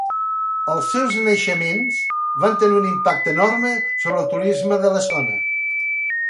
Els seus naixements van tenir un impacte enorme sobre el turisme de la zona.